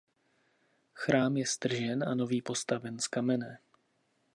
Chrám je stržen a nový postaven z kamene.